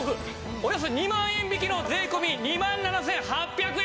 およそ２万円引きの税込２万７８００円！